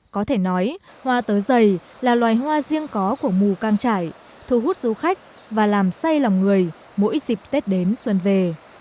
có thể nói hoa tớ dày là loài hoa riêng có của mù căng trải thu hút du khách và làm say lòng người mỗi dịp tết đến xuân về